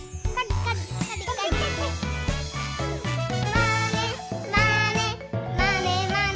「まねまねまねまね」